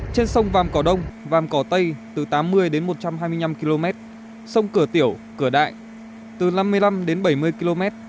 trên sông vàm cỏ đông vàm cỏ tây từ tám mươi đến một trăm hai mươi năm km sông cửa tiểu cửa đại từ năm mươi năm đến bảy mươi km